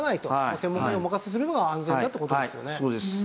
専門家にお任せするのが安全だって事ですよね。